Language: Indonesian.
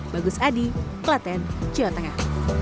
bagus adi klaten jawa tengah